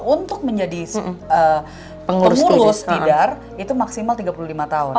untuk menjadi pengurus tidar itu maksimal tiga puluh lima tahun